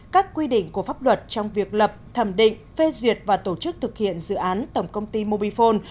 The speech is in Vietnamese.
các quy định của pháp luật trong việc lập thẩm định phê duyệt và tổ chức thực hiện dự án tổng công ty mobifone